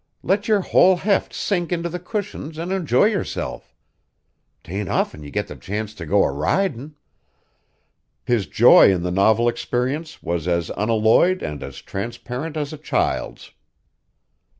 Let your whole heft sink into the cushions an' enjoy yourself. 'Tain't often you get the chance to go a ridin'." His joy in the novel experience was as unalloyed and as transparent as a child's.